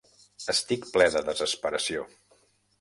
Estic ple de desesperació.